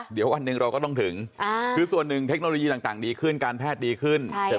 เดี๋ยววันหนึ่งเราก็ต้องถึงคือส่วนหนึ่งเทคโนโลยีต่างดีขึ้นการแพทย์ดีขึ้น